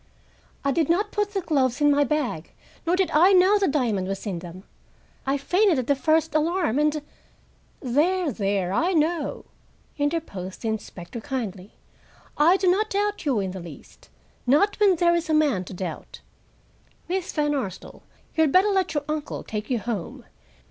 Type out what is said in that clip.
"I did not put the gloves in my bag, nor did I know the diamond was in them. I fainted at the first alarm, and—" "There! there! I know," interposed the inspector kindly. "I do not doubt you in the least; not when there is a man to doubt. Miss Van Arsdale, you had better let your uncle take you home.